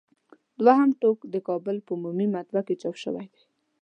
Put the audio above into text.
دوهم ټوک د کابل په عمومي مطبعه کې چاپ شوی دی.